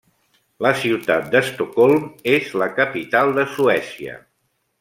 La ciutat d'Estocolm és la capital de Suècia.